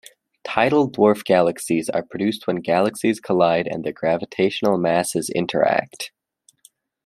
Tidal dwarf galaxies are produced when galaxies collide and their gravitational masses interact.